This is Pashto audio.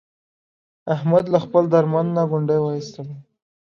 احمد له خپل درمند نه ګونډی و ایستلا.